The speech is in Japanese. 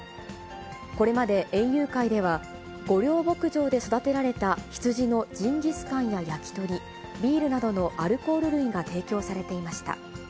これまで園遊会では、御料牧場で育てられた羊のジンギスカンや焼き鳥、ビールなどのアルコール類が提供されていました。